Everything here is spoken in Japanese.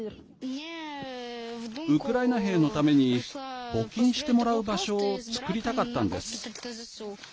ウクライナ兵のために募金してもらう場所を作りたかったんです。